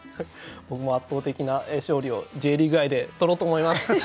僕も圧倒的な勝利をＪリーグ愛で取ろうと思います！